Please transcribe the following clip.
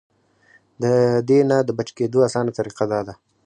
د دې نه د بچ کېدو اسانه طريقه دا ده -